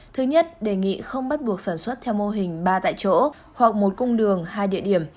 thứ nhất đề nghị không bắt buộc sản xuất theo mô hình ba tại chỗ hoặc một cung đường hai địa điểm